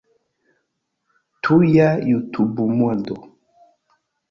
Tuja jutubumado